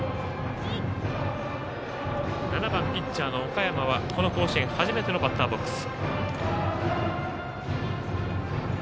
７番、ピッチャーの岡山はこの甲子園初めてのバッターボックス。